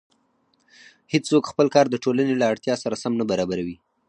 هېڅوک خپل کار د ټولنې له اړتیا سره سم نه برابروي